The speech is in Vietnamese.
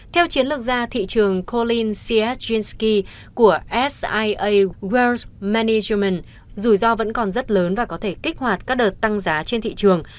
theo chiến lược gia thị trường colin sierczynski của sia world management rủi ro vẫn còn rất lớn và có thể kích hoạt các đợt tăng giá trên thị trường